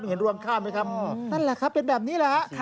เห็นรวงข้ามไหมครับนั่นแหละครับเป็นแบบนี้แหละฮะ